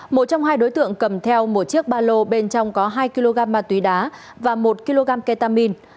một trong hai đối tượng cầm theo một chiếc ba lô bên trong có hai kg ma túy đá và một kg ketamine